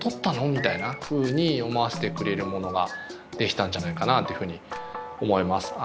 みたいなふうに思わせてくれるものができたんじゃないかなっていうふうに思います。